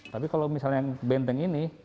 tapi kalau misalnya benteng ini